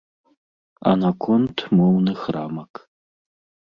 А наконт моўных рамак.